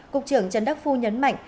cục trưởng trần đắc phu nhấn mạnh